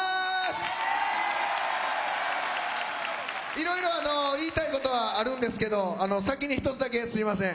いろいろ言いたい事はあるんですけど先に１つだけすみません。